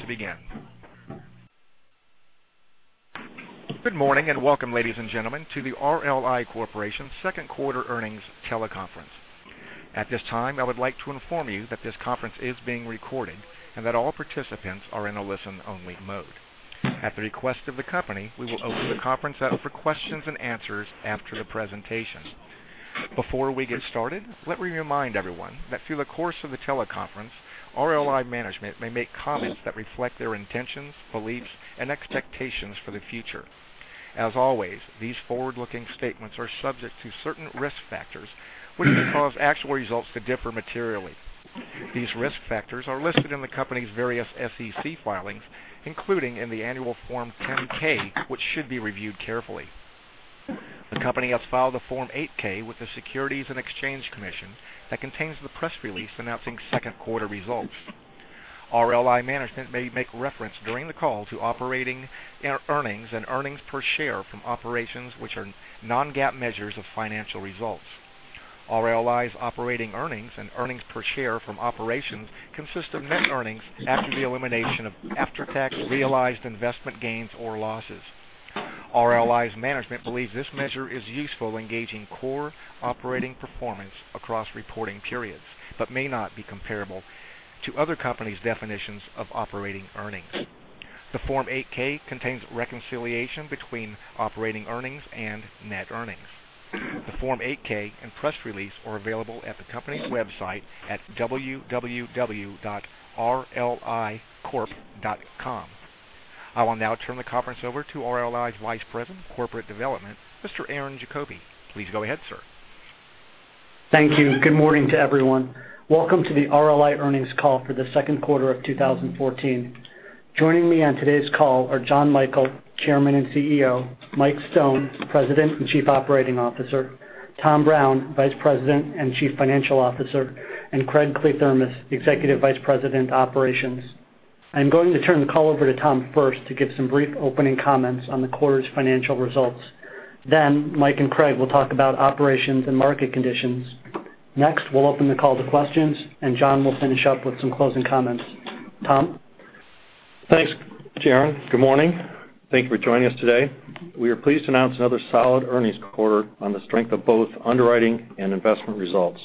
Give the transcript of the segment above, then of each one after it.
To begin. Good morning, and welcome, ladies and gentlemen, to the RLI Corp.'s second quarter earnings teleconference. At this time, I would like to inform you that this conference is being recorded, and that all participants are in a listen-only mode. At the request of the company, we will open the conference up for questions and answers after the presentation. Before we get started, let me remind everyone that through the course of the teleconference, RLI management may make comments that reflect their intentions, beliefs, and expectations for the future. As always, these forward-looking statements are subject to certain risk factors which may cause actual results to differ materially. These risk factors are listed in the company's various SEC filings, including in the annual Form 10-K, which should be reviewed carefully. The company has filed a Form 8-K with the Securities and Exchange Commission that contains the press release announcing second-quarter results. RLI management may make reference during the call to operating earnings and earnings per share from operations which are non-GAAP measures of financial results. RLI's operating earnings and earnings per share from operations consist of net earnings after the elimination of after-tax realized investment gains or losses. RLI's management believes this measure is useful in gauging core operating performance across reporting periods but may not be comparable to other companies' definitions of operating earnings. The Form 8-K contains reconciliation between operating earnings and net earnings. The Form 8-K and press release are available at the company's website at www.rlicorp.com. I will now turn the conference over to RLI's Vice President of Corporate Development, Mr. Aaron Jacoby. Please go ahead, sir. Thank you. Good morning to everyone. Welcome to the RLI earnings call for the second quarter of 2014. Joining me on today's call are John Michael, Chairman and CEO; Mike Stone, President and Chief Operating Officer; Tom Brown, Vice President and Chief Financial Officer; and Craig Kliethermes, Executive Vice President, Operations. I'm going to turn the call over to Tom first to give some brief opening comments on the quarter's financial results. Mike and Craig will talk about operations and market conditions. We'll open the call to questions, and John will finish up with some closing comments. Tom? Thanks, Aaron. Good morning. Thank you for joining us today. We are pleased to announce another solid earnings quarter on the strength of both underwriting and investment results.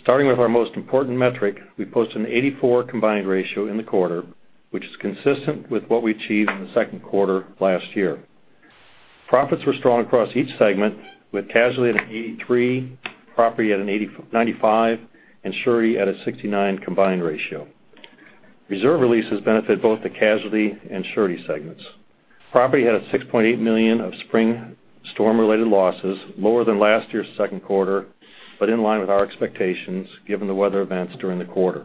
Starting with our most important metric, we posted an 84 combined ratio in the quarter, which is consistent with what we achieved in the second quarter last year. Profits were strong across each segment, with Casualty at an 83, Property at a 95, and Surety at a 69 combined ratio. Reserve releases benefited both the Casualty and Surety segments. Property had $6.8 million of spring storm-related losses, lower than last year's second quarter, but in line with our expectations given the weather events during the quarter.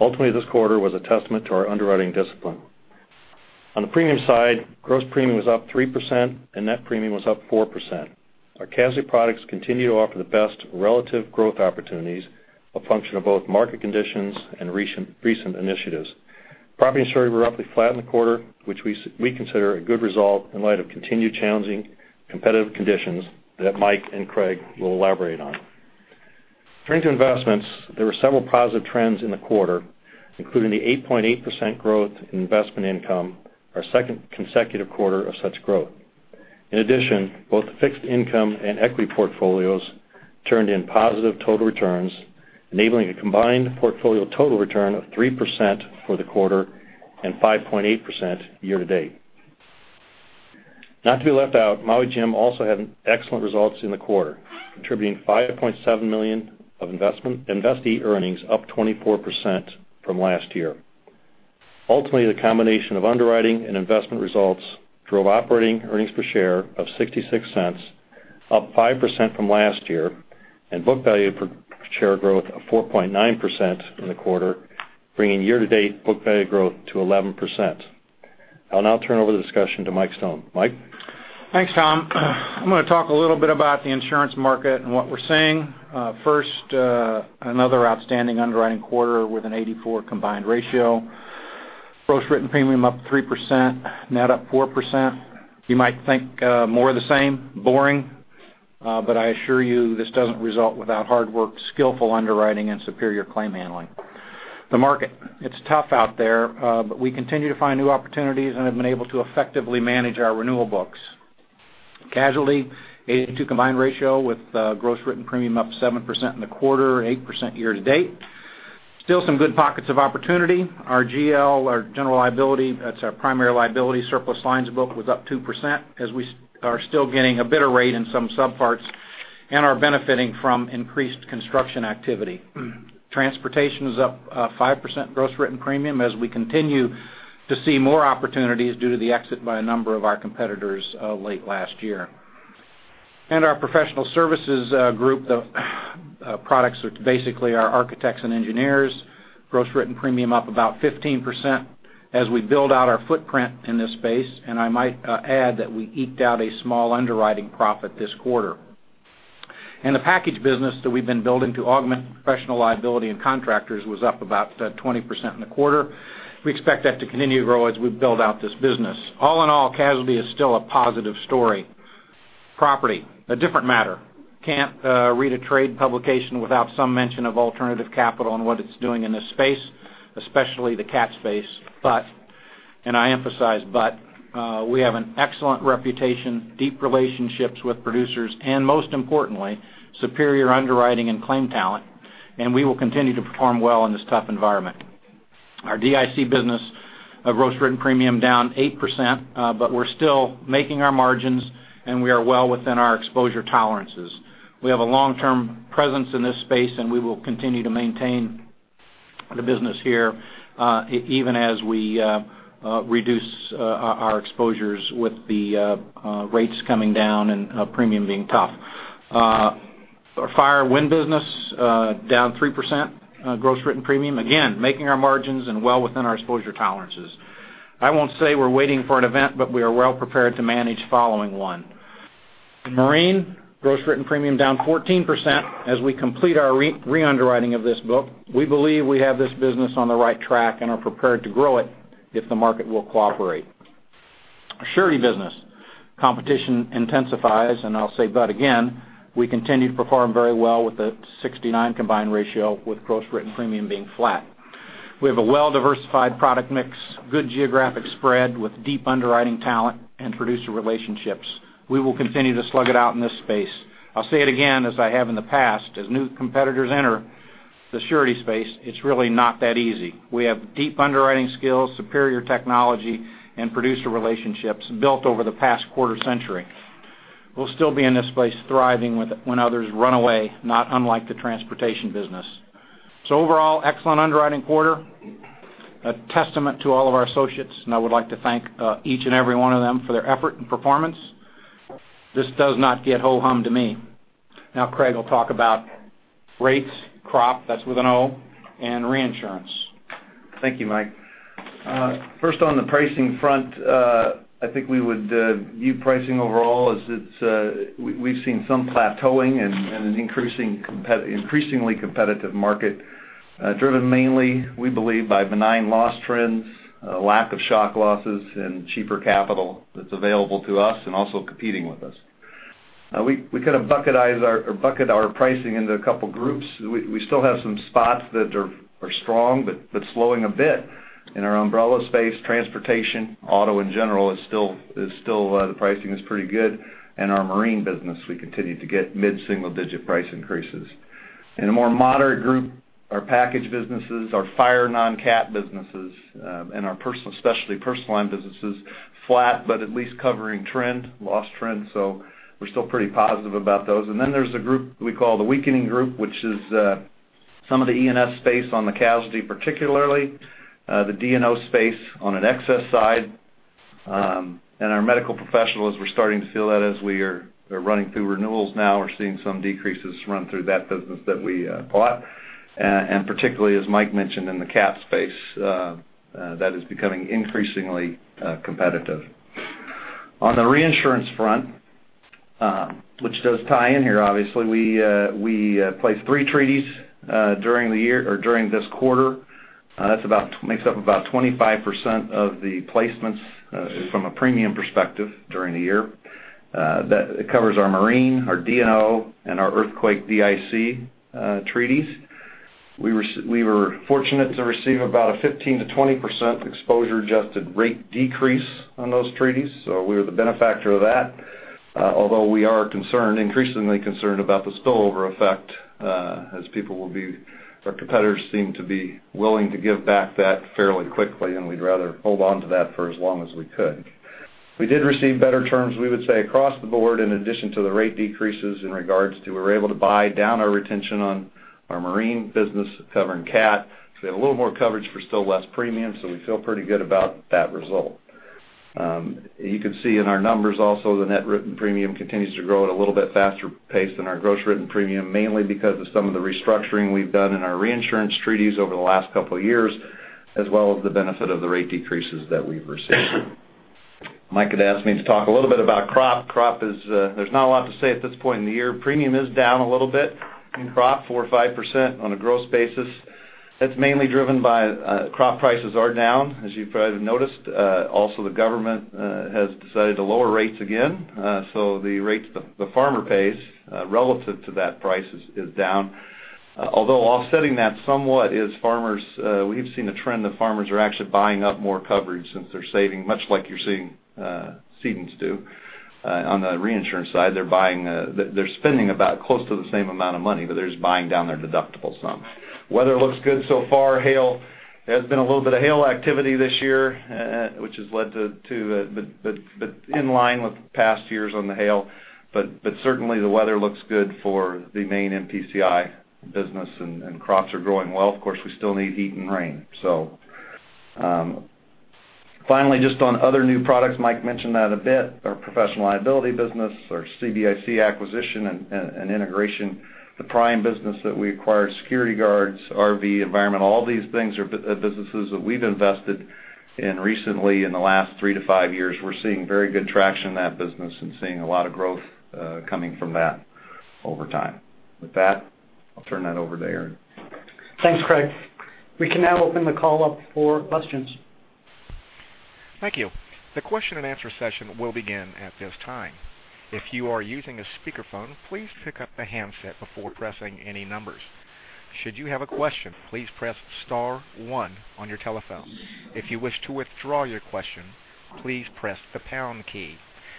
Ultimately, this quarter was a testament to our underwriting discipline. On the premium side, gross premium was up 3%, and net premium was up 4%. Our Casualty products continue to offer the best relative growth opportunities, a function of both market conditions and recent initiatives. Property and Surety were roughly flat in the quarter, which we consider a good result in light of continued challenging competitive conditions that Mike and Craig will elaborate on. Turning to investments, there were several positive trends in the quarter, including the 8.8% growth in investment income, our second consecutive quarter of such growth. In addition, both the fixed income and equity portfolios turned in positive total returns, enabling a combined portfolio total return of 3% for the quarter and 5.8% year-to-date. Not to be left out, Maui Jim also had excellent results in the quarter, contributing $5.7 million of investee earnings, up 24% from last year. Ultimately, the combination of underwriting and investment results drove operating earnings per share of $0.66, up 5% from last year, and book value per share growth of 4.9% in the quarter, bringing year-to-date book value growth to 11%. I'll now turn over the discussion to Mike Stone. Mike? Thanks, Tom. I'm going to talk a little bit about the insurance market and what we're seeing. First, another outstanding underwriting quarter with an 84 combined ratio. Gross written premium up 3%, net up 4%. You might think more of the same, boring, but I assure you this doesn't result without hard work, skillful underwriting, and superior claim handling. The market, it's tough out there, but we continue to find new opportunities and have been able to effectively manage our renewal books. Casualty, 82 combined ratio with gross written premium up 7% in the quarter, 8% year-to-date. Still some good pockets of opportunity. Our GL, our general liability, that's our primary liability surplus lines book, was up 2% as we are still getting a better rate in some subparts and are benefiting from increased construction activity. Transportation is up 5% gross written premium as we continue to see more opportunities due to the exit by a number of our competitors late last year. Our professional services group of products, which basically are architects and engineers, gross written premium up about 15% as we build out our footprint in this space, and I might add that we eked out a small underwriting profit this quarter. The package business that we've been building to augment professional liability and contractors was up about 20% in the quarter. We expect that to continue to grow as we build out this business. All in all, Casualty is still a positive story. Property. A different matter. Can't read a trade publication without some mention of alternative capital and what it's doing in this space, especially the cat space. We have an excellent reputation, deep relationships with producers, and most importantly, superior underwriting and claim talent. We will continue to perform well in this tough environment. Our DIC business, our gross written premium down 8%. We're still making our margins. We are well within our exposure tolerances. We have a long-term presence in this space. We will continue to maintain the business here, even as we reduce our exposures with the rates coming down and premium being tough. Our fire wind business, down 3% gross written premium, again, making our margins and well within our exposure tolerances. I won't say we're waiting for an event. We are well prepared to manage following one. In marine, gross written premium down 14% as we complete our re-underwriting of this book. We believe we have this business on the right track and are prepared to grow it if the market will cooperate. Our Surety business. Competition intensifies. I'll say but again, we continue to perform very well with a 69 combined ratio with gross written premium being flat. We have a well-diversified product mix, good geographic spread with deep underwriting talent and producer relationships. We will continue to slug it out in this space. I'll say it again, as I have in the past, as new competitors enter the Surety space, it's really not that easy. We have deep underwriting skills, superior technology, and producer relationships built over the past quarter-century. We'll still be in this space thriving when others run away, not unlike the transportation business. Overall, excellent underwriting quarter, a testament to all of our associates. I would like to thank each and every one of them for their effort and performance. This does not get ho-hum to me. Craig will talk about rates, Crop, that's with an O, and reinsurance. Thank you, Mike. First on the pricing front, I think we would view pricing overall as we've seen some plateauing and an increasingly competitive market, driven mainly, we believe, by benign loss trends, lack of shock losses, and cheaper capital that's available to us and also competing with us. We kind of bucket our pricing into a couple groups. We still have some spots that are strong but slowing a bit. In our umbrella space, transportation, auto in general, the pricing is pretty good. In our marine business, we continue to get mid-single-digit price increases. In a more moderate group, our package businesses, our fire non-cat businesses, and our specialty personal line business is flat but at least covering loss trend. We're still pretty positive about those. There's the group we call the weakening group, which is some of the E&S space on the Casualty, particularly the D&O space on an excess side. Our medical professionals, we're starting to feel that as we are running through renewals now. We're seeing some decreases run through that business that we bought. Particularly, as Mike mentioned, in the cat space, that is becoming increasingly competitive. The reinsurance front, which does tie in here, obviously, we placed 3 treaties during this quarter. That makes up about 25% of the placements from a premium perspective during the year. That covers our marine, our D&O, and our earthquake DIC treaties. We were fortunate to receive about a 15%-20% exposure-adjusted rate decrease on those treaties. We were the benefactor of that. We are increasingly concerned about the spillover effect as our competitors seem to be willing to give back that fairly quickly, we'd rather hold onto that for as long as we could. We did receive better terms, we would say, across the board, in addition to the rate decreases in regards to we were able to buy down our retention on our marine business covering cat. We had a little more coverage for still less premium, we feel pretty good about that result. You can see in our numbers also, the net written premium continues to grow at a little bit faster pace than our gross written premium, mainly because of some of the restructuring we've done in our reinsurance treaties over the last couple of years, as well as the benefit of the rate decreases that we've received. Mike had asked me to talk a little bit about Crop. There's not a lot to say at this point in the year. Premium is down a little bit in Crop, 4%-5% on a gross basis. That's mainly driven by Crop prices are down, as you probably have noticed. The government has decided to lower rates again. The rates the farmer pays, relative to that price, is down. Offsetting that somewhat is we've seen a trend that farmers are actually buying up more coverage since they're saving, much like you're seeing cedents do. The reinsurance side, they're spending about close to the same amount of money, but they're just buying down their deductibles some. Weather looks good so far. There has been a little bit of hail activity this year, but in line with past years on the hail. Certainly, the weather looks good for the main MPCI business, and crops are growing well. Of course, we still need heat and rain. Finally, just on other new products, Mike mentioned that a bit. Our professional liability business, our CBIC acquisition and integration, the Prime business that we acquired, security guards, RV, environmental, all these things are businesses that we've invested in recently in the last 3 to 5 years. We're seeing very good traction in that business and seeing a lot of growth coming from that over time. I'll turn that over to Aaron. Thanks, Craig. We can now open the call up for questions Thank you. The question-and-answer session will begin at this time. If you are using a speakerphone, please pick up the handset before pressing any numbers. Should you have a question, please press star one on your telephone. If you wish to withdraw your question, please press the pound key.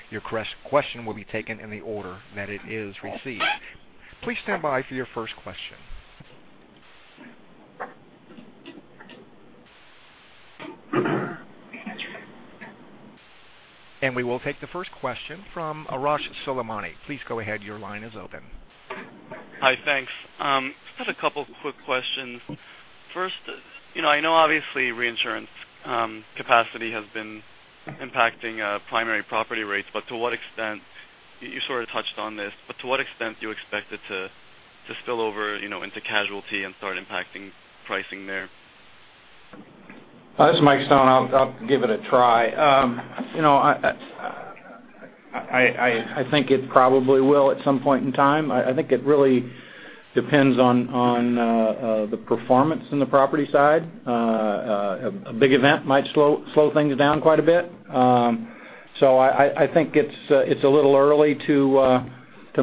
Your question will be taken in the order that it is received. Please stand by for your first question. We will take the first question from Arash Soleimani. Please go ahead. Your line is open. Hi. Thanks. Just had a couple quick questions. First, I know obviously reinsurance capacity has been impacting primary Property rates, you sort of touched on this, but to what extent do you expect it to spill over into Casualty and start impacting pricing there? This is Mike Stone. I'll give it a try. I think it probably will at some point in time. I think it really depends on the performance in the Property side. A big event might slow things down quite a bit. I think it's a little early to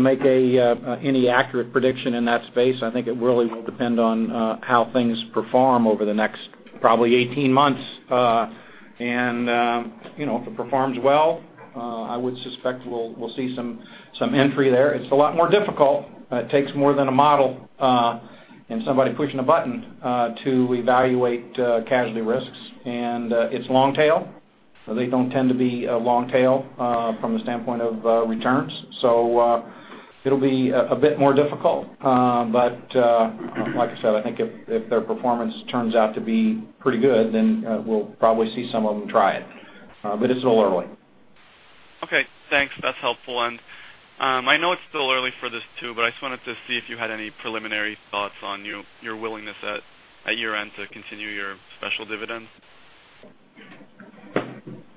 make any accurate prediction in that space. I think it really will depend on how things perform over the next probably 18 months. If it performs well, I would suspect we'll see some entry there. It's a lot more difficult. It takes more than a model and somebody pushing a button to evaluate Casualty risks. It's long tail. They don't tend to be long tail from the standpoint of returns. It'll be a bit more difficult. Like I said, I think if their performance turns out to be pretty good, we'll probably see some of them try it. It's a little early. Okay, thanks. That's helpful. I know it's still early for this too, I just wanted to see if you had any preliminary thoughts on your willingness at year-end to continue your special dividends.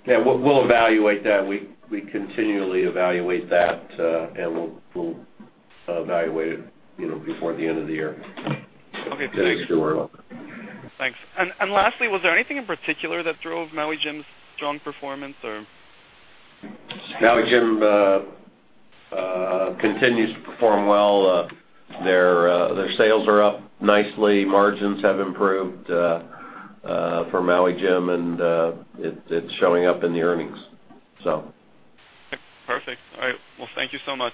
Yeah, we'll evaluate that. We continually evaluate that, we'll evaluate it before the end of the year. Okay, great. Thanks, Arash. Thanks. Lastly, was there anything in particular that drove Maui Jim's strong performance or? Maui Jim continues to perform well. Their sales are up nicely. Margins have improved for Maui Jim, and it's showing up in the earnings. Perfect. All right. Well, thank you so much.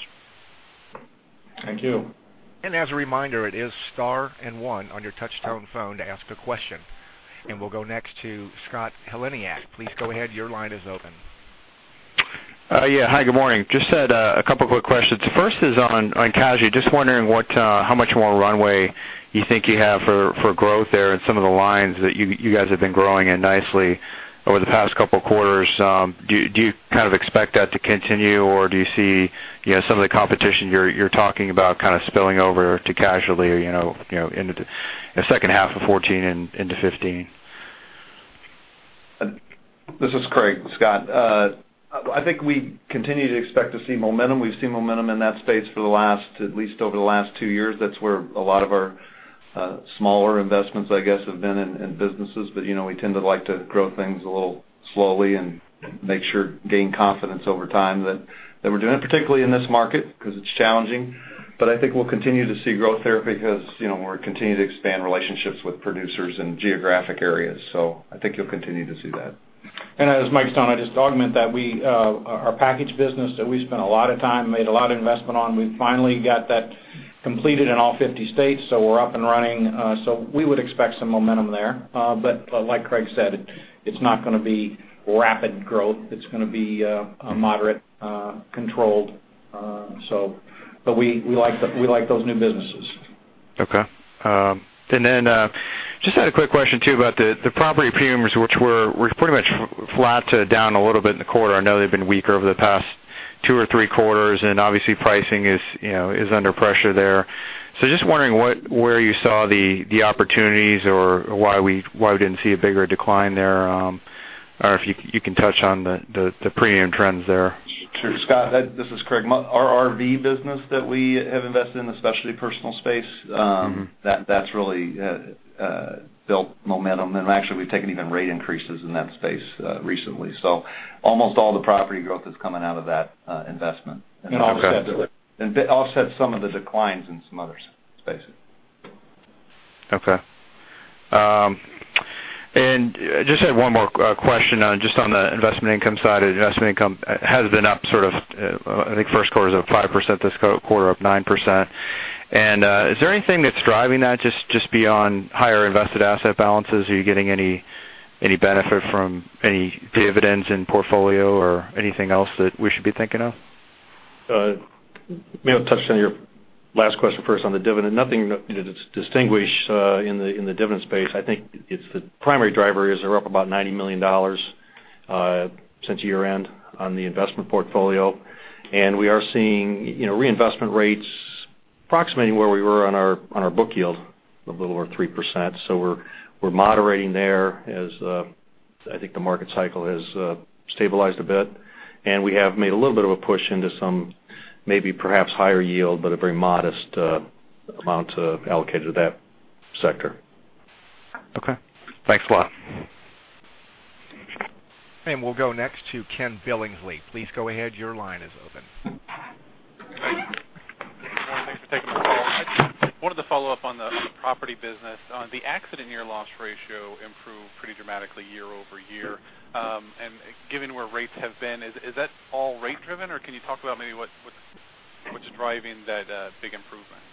Thank you. As a reminder, it is star and one on your touch-tone phone to ask a question. We'll go next to Scott Heleniak. Please go ahead. Your line is open. Hi, good morning. Just had a couple of quick questions. First is on casualty. Just wondering how much more runway you think you have for growth there in some of the lines that you guys have been growing in nicely over the past couple of quarters. Do you kind of expect that to continue, or do you see some of the competition you're talking about kind of spilling over to casualty, in the second half of 2014 and into 2015? This is Craig. Scott, I think we continue to expect to see momentum. We've seen momentum in that space for the last, at least over the last two years. That's where a lot of our smaller investments, I guess, have been in businesses. We tend to like to grow things a little slowly and make sure gain confidence over time that we're doing it, particularly in this market because it's challenging. I think we'll continue to see growth there because we're continuing to expand relationships with producers in geographic areas. I think you'll continue to see that. As Mike Stone, I'll just augment that our package business that we spent a lot of time, made a lot of investment on, we finally got that completed in all 50 states, so we're up and running. We would expect some momentum there. Like Craig said, it's not going to be rapid growth. It's going to be moderate, controlled. We like those new businesses. Okay. Just had a quick question too about the property premiums, which were pretty much flat to down a little bit in the quarter. I know they've been weaker over the past two or three quarters, and obviously pricing is under pressure there. Just wondering where you saw the opportunities or why we didn't see a bigger decline there, or if you can touch on the premium trends there. Sure. Scott, this is Craig. Our RV business that we have invested in, the specialty personal space, that's really built momentum. Actually, we've taken even rate increases in that space recently. Almost all the property growth is coming out of that investment. Offset some of the declines in some other spaces. Okay. Just had one more question just on the investment income side. Investment income has been up sort of, I think first quarter was up 5%, this quarter up 9%. Is there anything that's driving that just beyond higher invested asset balances? Are you getting any benefit from any dividends in portfolio or anything else that we should be thinking of? Maybe I'll touch on your last question first on the dividend. Nothing distinguished in the dividend space. I think the primary driver is we're up about $90 million since year end on the investment portfolio. We are seeing reinvestment rates approximating where we were on our book yield of a little over 3%. We're moderating there as I think the market cycle has stabilized a bit. We have made a little bit of a push into some maybe perhaps higher yield, but a very modest amount allocated to that. Sector. Okay. Thanks a lot. We'll go next to Ken Billingsley. Please go ahead. Your line is open. Thanks. Thanks for taking the call. I wanted to follow up on the Property business. The accident year loss ratio improved pretty dramatically year-over-year. Given where rates have been, is that all rate driven, or can you talk about maybe what's driving that big improvement?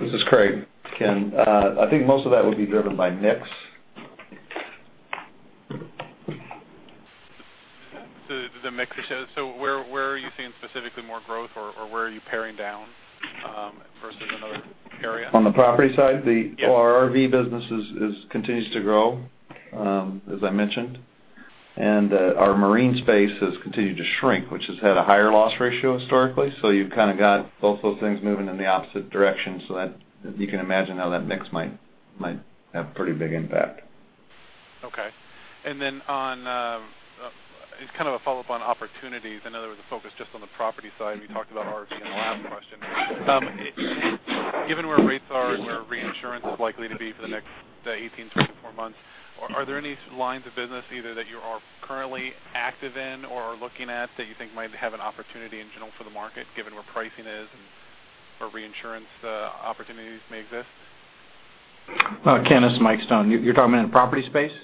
This is Craig. Ken, I think most of that would be driven by mix. The mix. Where are you seeing specifically more growth or where are you paring down versus another area? On the Property side? Yes. Our RV business continues to grow, as I mentioned. Our marine space has continued to shrink, which has had a higher loss ratio historically. You've kind of got both those things moving in the opposite direction so that you can imagine how that mix might have pretty big impact. Okay. On, it's kind of a follow-up on opportunities. I know there was a focus just on the Property side. We talked about RV in the last question. Given where rates are and where reinsurance is likely to be for the next 18 to 24 months, are there any lines of business either that you are currently active in or are looking at that you think might have an opportunity in general for the market given where pricing is and where reinsurance opportunities may exist? Ken, it's Mike Stone. You're talking about in the Property space? Anywhere.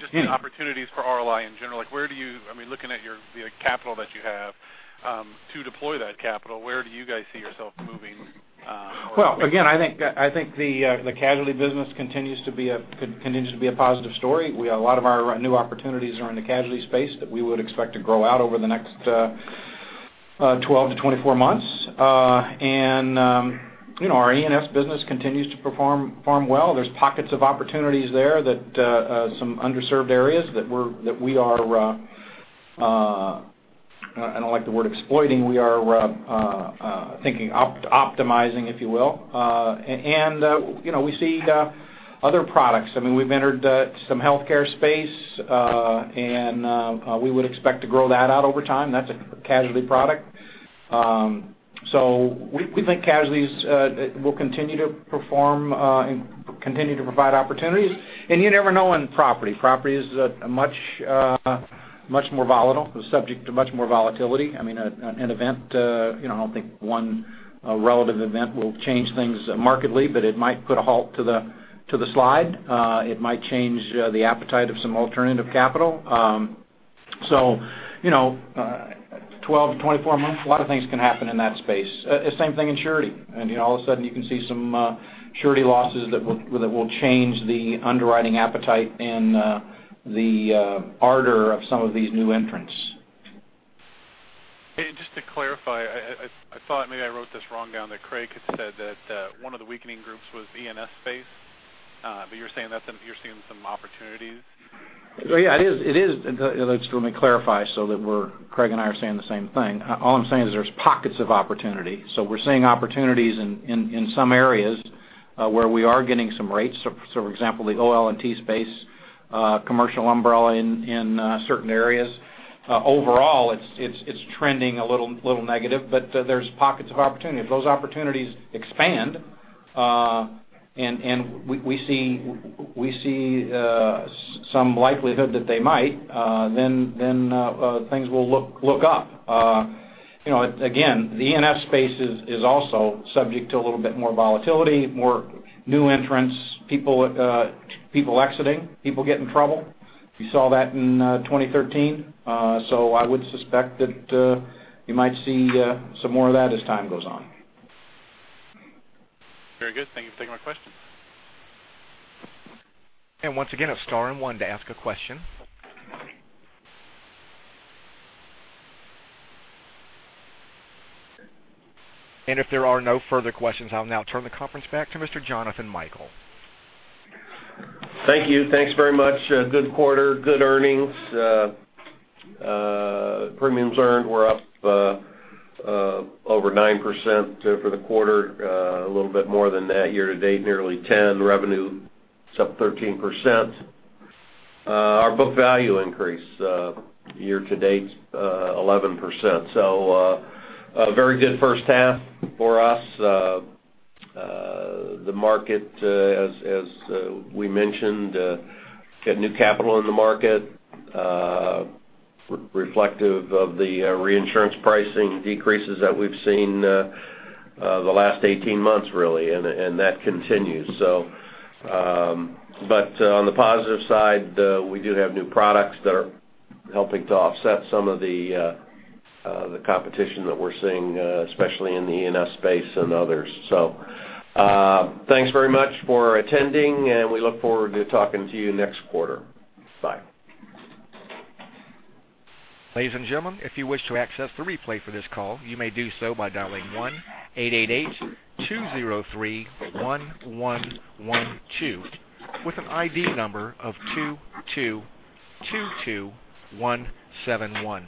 Just opportunities for RLI in general. Looking at your capital that you have to deploy that capital, where do you guys see yourself moving? Again, I think the Casualty business continues to be a positive story. A lot of our new opportunities are in the Casualty space that we would expect to grow out over the next 12 to 24 months. Our E&S business continues to perform well. There's pockets of opportunities there that some underserved areas that we are, I don't like the word exploiting, we are thinking optimizing, if you will. We see other products. We've entered some healthcare space, and we would expect to grow that out over time. That's a Casualty product. We think Casualty will continue to perform and continue to provide opportunities. You never know in Property. Property is much more volatile, subject to much more volatility. An event, I don't think one relative event will change things markedly, but it might put a halt to the slide. It might change the appetite of some alternative capital. 12 to 24 months, a lot of things can happen in that space. Same thing in Surety. All of a sudden you can see some Surety losses that will change the underwriting appetite and the ardor of some of these new entrants. Just to clarify, I thought maybe I wrote this wrong down that Craig had said that one of the weakening groups was E&S space, but you're saying that you're seeing some opportunities. Yeah, it is. Let me clarify so that Craig and I are saying the same thing. All I'm saying is there's pockets of opportunity. We're seeing opportunities in some areas where we are getting some rates. For example, the oil and gas space, commercial umbrella in certain areas. Overall, it's trending a little negative, but there's pockets of opportunity. If those opportunities expand, and we see some likelihood that they might, then things will look up. Again, the E&S space is also subject to a little bit more volatility, more new entrants, people exiting, people get in trouble. We saw that in 2013. I would suspect that you might see some more of that as time goes on. Very good. Thank you for taking my question. Once again, it's star one to ask a question. If there are no further questions, I'll now turn the conference back to Mr. Jonathan Michael. Thank you. Thanks very much. Good quarter, good earnings. Premiums earned were up over 9% for the quarter, a little bit more than that year-to-date, nearly 10%. Revenue is up 13%. Our book value increase year-to-date, 11%. A very good first half for us. The market, as we mentioned, got new capital in the market, reflective of the reinsurance pricing decreases that we've seen the last 18 months, really, and that continues. On the positive side, we do have new products that are helping to offset some of the competition that we're seeing, especially in the E&S space and others. Thanks very much for attending, and we look forward to talking to you next quarter. Bye. Ladies and gentlemen, if you wish to access the replay for this call, you may do so by dialing 1-888-203-1112 with an ID number of 2222171.